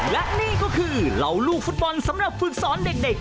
และนี่ก็คือเหล่าลูกฟุตบอลสำหรับฝึกสอนเด็ก